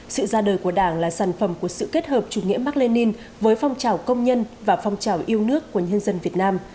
sự ra đời của đảng là sản phẩm của sự kết hợp chủ nghĩa mark lenin với phong trào công nhân và phong trào yêu nước của nhân dân việt nam